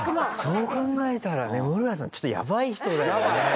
そう考えたらねムロヤさんちょっとやばい人だよね。